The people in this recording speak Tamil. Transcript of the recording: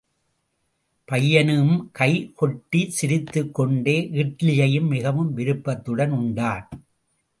பையனும் கை கொட்டி சிரித்துக் கொண்டே, இட்லியை மிகவும் விருப்பத்துடன் உண்டான்.